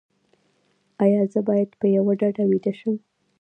ایا زه باید په یوه ډډه ویده شم؟